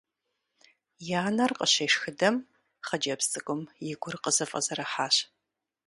И анэр къыщешхыдэм, хъыджэбз цӀыкӀум и гур къызэфӀэзэрыхьащ.